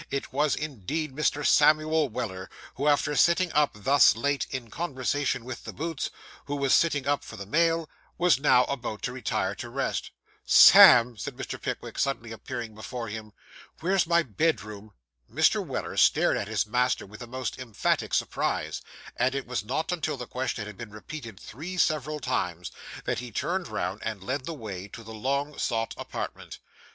It was indeed Mr. Samuel Weller, who after sitting up thus late, in conversation with the boots, who was sitting up for the mail, was now about to retire to rest. 'Sam,' said Mr. Pickwick, suddenly appearing before him, 'where's my bedroom?' Mr. Weller stared at his master with the most emphatic surprise; and it was not until the question had been repeated three several times, that he turned round, and led the way to the long sought apartment.